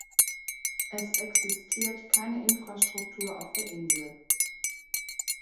Es existiert keine Infrastruktur auf der Insel.